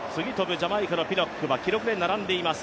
ジャマイカのピノックは記録が並んでいます。